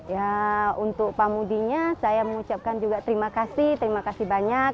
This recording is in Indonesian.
ya untuk pamudinya saya mengucapkan juga terima kasih terima kasih banyak